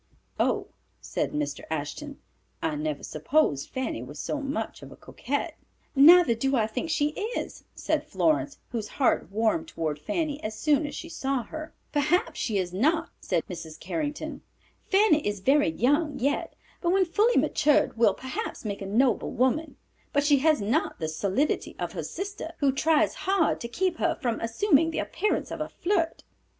"Oh," said Mr. Ashton, "I never supposed Fanny was so much of a coquette." "Neither do I think she is," said Florence, whose heart warmed toward Fanny as soon as she saw her. "Perhaps she is not," said Mrs. Carrington. "Fanny is very young yet, but when fully matured will perhaps make a noble woman, but she has not the solidity of her sister, who tries hard to keep her from assuming the appearance of a flirt."